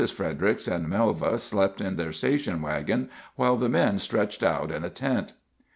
Fredericks and Melva slept in their station wagon, while the men stretched out in a tent.